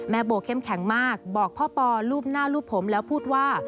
โบเข้มแข็งมากบอกพ่อปอรูปหน้ารูปผมแล้วพูดว่า